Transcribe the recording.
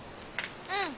うん。